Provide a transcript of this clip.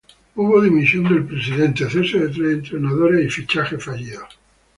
Hubo dimisión del presidente, cese de tres entrenadores y fichajes fallidos.